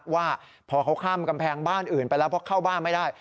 ว่าพอเขาข้ามกำแพงบ้านอื่นไปแล้วเพราะเข้าบ้านไม่ได้